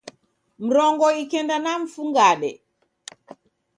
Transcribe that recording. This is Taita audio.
Mrongo ikenda na mfungade